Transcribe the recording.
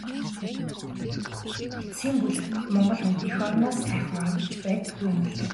Эцсийн бүлэгт Монгол хүнд эх орноос сайхан орон гэж байдаггүй юм билээ.